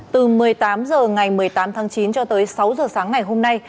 từ một mươi tám h ngày một mươi tám tháng chín cho tới sáu h sáng ngày hôm nay